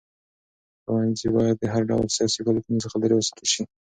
ښوونځي باید د هر ډول سیاسي فعالیتونو څخه لرې وساتل شي.